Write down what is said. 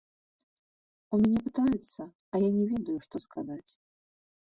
У мяне пытаюцца, а я не ведаю што сказаць.